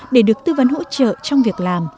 để được tư vấn hỗ trợ trong việc làm